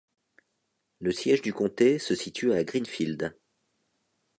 Le siège du comté se situe à Greenfield.